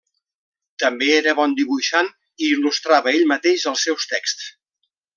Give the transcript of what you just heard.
També era bon dibuixant i il·lustrava ell mateix els seus texts.